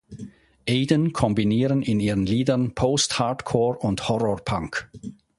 Aiden kombinieren in ihren Liedern Post-Hardcore und Horrorpunk.